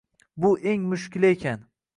Bu eng mushkuli ekan.